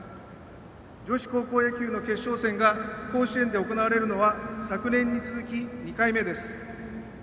女子高校野球の決勝戦が甲子園で行われるのは昨年に続き２回目です。